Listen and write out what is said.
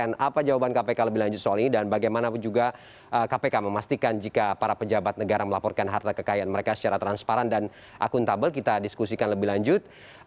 dan apa jawaban kpk lebih lanjut soal ini dan bagaimana juga kpk memastikan jika para penjabat negara melaporkan harta kekayaan mereka secara transparan dan akuntabel kita diskusikan lebih lanjut